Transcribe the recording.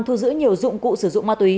thu giữ nhiều dụng cụ sử dụng ma túy